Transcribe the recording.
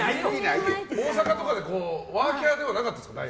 大阪とかでワーキャーではなかったですか？